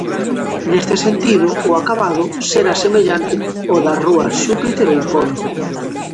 Neste sentido, o acabado será semellante ao das rúas Xúpiter ou Ponte.